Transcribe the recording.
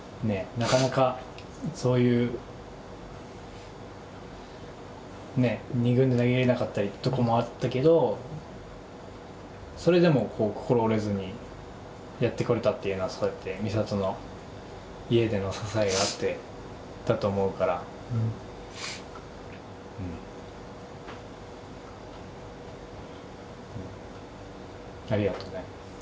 なかなかそういうねえ２軍で投げれなかったりとかもあったけどそれでもこう心折れずにやってこれたっていうのはそうやって美里の家での支えがあってだと思うからありがとね